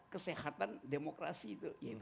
kesehatan demokrasi itu